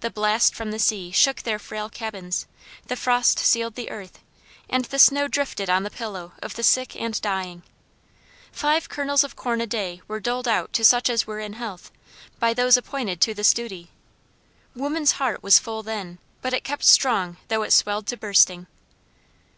The blast from the sea shook their frail cabins; the frost sealed the earth, and the snow drifted on the pillow of the sick and dying. Five kernels of corn a day were doled out to such as were in health, by those appointed to this duty. Woman's heart was full then, but it kept strong though it swelled to bursting.